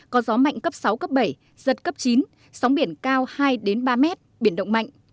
có gió mạnh cấp sáu cấp bảy giật cấp chín sóng biển cao hai ba mét biển động mạnh